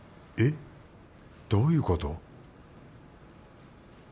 えっどういうこと？